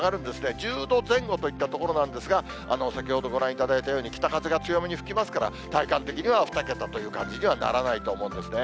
１０度前後といったところなんですが、先ほどご覧いただいたように、北風が強めに吹きますから、体感的には２桁という感じにはならないと思うんですね。